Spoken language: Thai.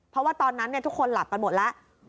เพราะว่าตอนนั้นทุกคนหลับกันหมดแล้ว